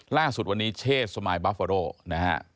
ล่าสุดวันนี้เชศสมายบาเฟอโรนะฮะ